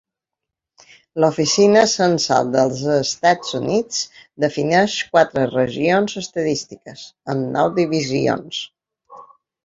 L'oficina censal dels Estats Units defineix quatre regions estadístiques, amb nou divisions.